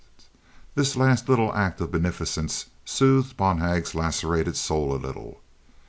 The last little act of beneficence soothed Bonhag's lacerated soul a little.